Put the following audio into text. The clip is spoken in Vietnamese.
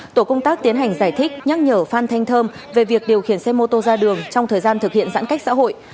tổ công tác tiến hành giải thích nhắc nhở phan thanh thơm về việc điều khiển xe mô tô ra đường trong thời gian thực hiện giãn cách xã hội